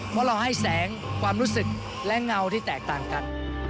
เพราะเราให้แสงความรู้สึกและเงาที่แตกต่างกัน